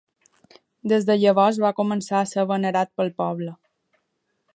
Des de llavors va començar a ser venerat pel poble.